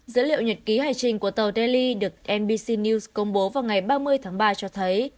dữ liệu nhật ký hải trình của tàu delhi được nbc news công bố vào ngày ba mươi tháng ba cho thấy